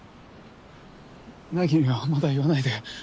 凪にはまだ言わないで。